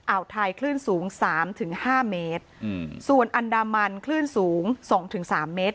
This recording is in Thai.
อ่าวไทยคลื่นสูง๓๕เมตรส่วนอันดามันคลื่นสูง๒๓เมตร